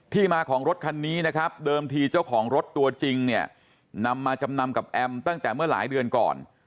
มาของรถคันนี้นะครับเดิมทีเจ้าของรถตัวจริงเนี่ยนำมาจำนำกับแอมตั้งแต่เมื่อหลายเดือนก่อน